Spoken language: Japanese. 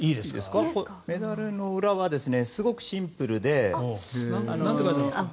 メダルの裏はすごくシンプルで。なんて書いてあるんですか？